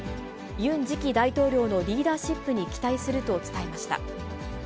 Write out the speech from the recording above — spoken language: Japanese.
ユン次期大統領のリーダーシップに期待すると伝えました。